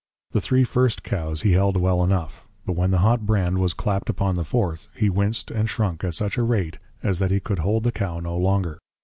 The three first Cows he held well enough; but when the hot Brand was clap'd upon the Fourth, he winc'd and shrunk at such a Rate, as that he could hold the Cow no longer.